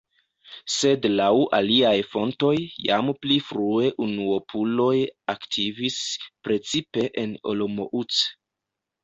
Sed laŭ aliaj fontoj jam pli frue unuopuloj aktivis, precipe en Olomouc.